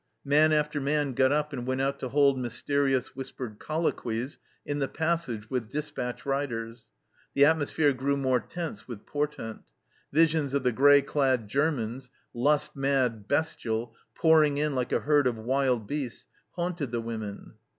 Man after man got up and went out to hold mysterious whispered colloquies in the passage with despatch riders ; the atmosphere grew more tense with portent. Visions of the grey clad Germans, lust mad, bestial, pouring in like a herd of wild beasts, haunted the women.